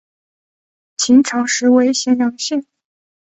秦朝时为咸阳县。